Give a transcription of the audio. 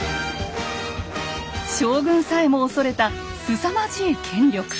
将軍さえも恐れたすさまじい権力。